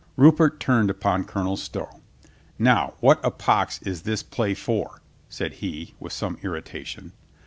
Rupert turned upon Colonel Stow. "Now, what a pox is this play for?" said he with some irrita tation.